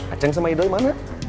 aceng sama ido dimana